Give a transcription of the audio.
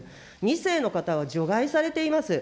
２世の方は除外されています。